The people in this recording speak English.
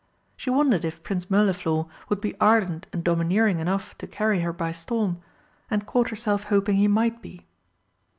She wondered if Prince Mirliflor would be ardent and domineering enough to carry her by storm, and caught herself hoping he might be.